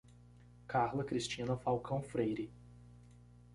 Carla Cristina Falcão Freire